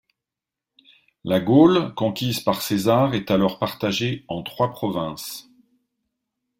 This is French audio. La Gaule conquise par César est alors partagée en trois provinces.